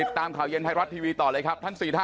ติดตามข่าวเย็นไทร็อรัสทีวีต่อเลยครับ